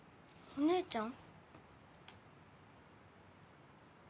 お姉ちゃん。